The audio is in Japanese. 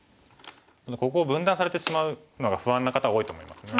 ここを分断されてしまうのが不安な方多いと思いますね。